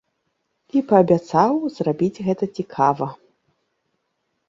І паабяцаў зрабіць гэта цікава.